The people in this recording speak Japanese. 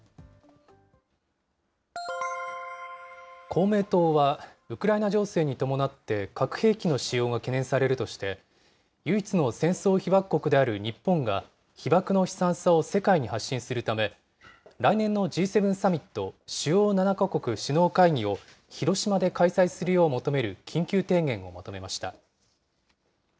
公明党は、ウクライナ情勢に伴って核兵器の使用が懸念されるとして、唯一の戦争被爆国である日本が、被爆の悲惨さを世界に発信するため、来年のＧ７サミット・主要７か国首脳会議を広島で開催するよう求める緊急提言をまとめました。